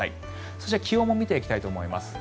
そして、気温も見ていきたいと思います。